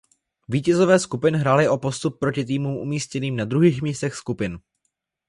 Vítězové skupin hráli o postup proti týmům umístěným na druhých místech skupin.